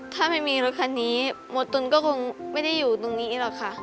ถ้าไม่มีรถคันนี้โมตุลก็คงไม่ได้อยู่ตรงนี้หรอกค่ะ